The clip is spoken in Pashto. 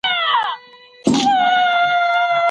په کور کي د درس پر مهال شور نه جوړېږي.